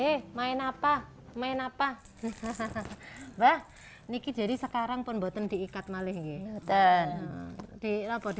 eh main apa main apa bah nikita jadi sekarang pun buatan diikat maling dan di laporan di